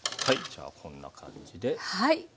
じゃあこんな感じで。